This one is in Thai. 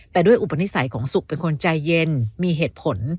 แต่ด้วยอุปนิสัยของสุขเป็นคนใจเย็นมีเหตุผล